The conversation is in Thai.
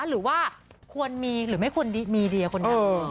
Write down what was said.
หรือว่าควรมีหรือไม่ควรมีเดียคนนี้